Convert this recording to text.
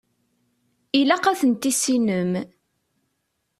Ilaq ad ten-tissinem.